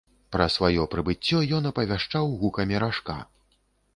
Пра сваё прыбыццё ён апавяшчаў гукамі ражка.